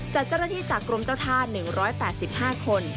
จัดเจ้าหน้าที่จากกรมเจ้าท่า๑๘๕คน